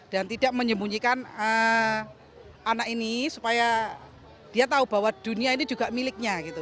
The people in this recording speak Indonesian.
dan tidak menyembunyikan anak ini supaya dia tahu bahwa dunia ini juga miliknya gitu